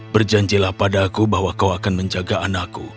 berjanjilah padaku bahwa kau akan menjaga anakku